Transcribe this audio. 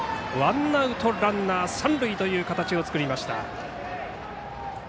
ワンアウトランナー三塁という形を作りました。